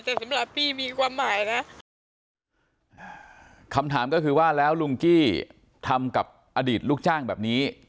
แต่สำหรับพี่มีความหมายนะคำถามก็คือว่าแล้วลุงกี้ทำกับอดีตลูกจ้างแบบนี้